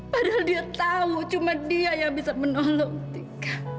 padahal dia tahu cuma dia yang bisa menolong tiga